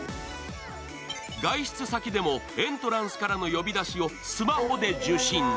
外出先でもエントランスからの呼び出しをスマホで受信。